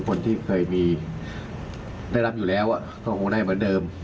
คนที่เคยมีได้รับอยู่แล้วก็คงได้เหมือนเดิม